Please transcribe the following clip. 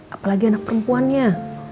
apalagi anak perempuannya